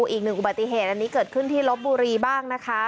อีกหนึ่งอุบัติเหตุอันนี้เกิดขึ้นที่ลบบุรีบ้างนะคะ